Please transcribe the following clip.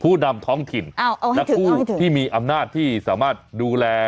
ผู้ดำท้องถิ่นเอาเอาให้ถูกเอาให้ถูกที่มีอำหน้าที่สามารถดูลับ